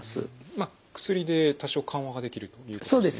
ま薬で多少緩和ができるということですね。